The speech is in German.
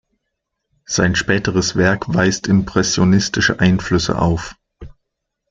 Sein späteres Werk weist impressionistische Einflüsse auf.